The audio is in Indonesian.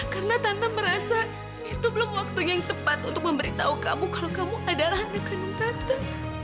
karena tante merasa itu belum waktunya yang tepat untuk memberitahu kamu kalau kamu adalah anak kandung tante